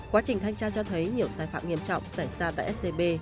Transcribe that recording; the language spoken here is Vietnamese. quá trình thanh tra cho thấy nhiều sai phạm nghiêm trọng xảy ra tại scb